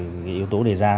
và đạt được cái yếu tố đề ra